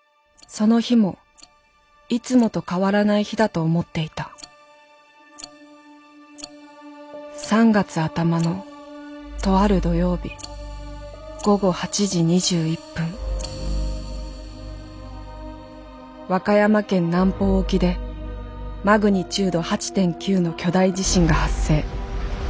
その日もいつもと変わらない日だと思っていた３月頭のとある土曜日午後８時２１分和歌山県南方沖でマグニチュード８．９の巨大地震が発生。